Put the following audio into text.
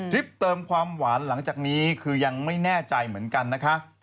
เติมความหวานหลังจากนี้คือยังไม่แน่ใจเหมือนกันนะคะ